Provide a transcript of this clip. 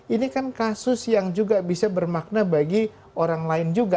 ini kan kasus yang juga bisa bermakna bagi orang lain juga